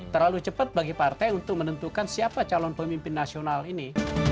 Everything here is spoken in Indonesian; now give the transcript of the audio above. terlalu cepat bagi partai untuk menentukan siapa calon pemimpin nasional ini